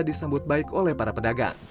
disambut baik oleh para pedagang